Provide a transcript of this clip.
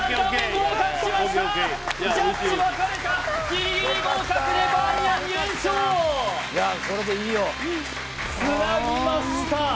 合格しましたジャッジ分かれたギリギリ合格でバーミヤン２連勝つなぎましたあ